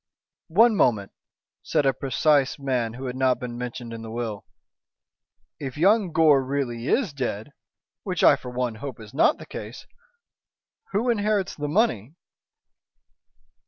"One moment," said a precise man who had not been mentioned in the will. "If young Gore really is dead which I for one, hope is not the case who inherits the money?"